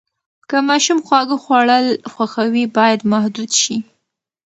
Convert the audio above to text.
که ماشوم خواږه خوړل خوښوي، باید محدود شي.